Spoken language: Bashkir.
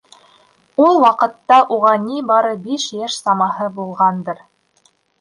Ул ваҡытта уға ни бары биш йәш самаһы булғандыр.